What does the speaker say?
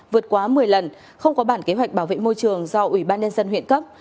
vượt quá một mươi lần không có bản kế hoạch bảo vệ môi trường do ubnd huyện cấp